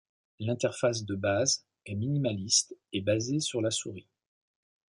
L'interface de base est minimaliste et basée sur la souris.